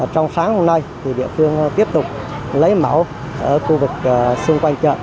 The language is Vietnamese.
trong sáng hôm nay địa phương tiếp tục lấy mẫu ở khu vực xung quanh chợ